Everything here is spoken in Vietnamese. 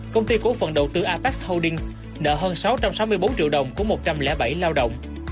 công ty cổ phần đầu tư apac holdings nợ hơn sáu trăm sáu mươi bốn triệu đồng của một trăm linh bảy lao động